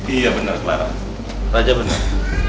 iya bener clara raja bener